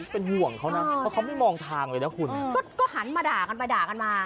เป็นห่วงเขานะเพราะเขาไม่มองทางเลยนะคุณก็หันมาด่ากันไปด่ากันมา